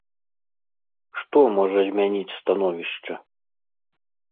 Што можа змяніць становішча?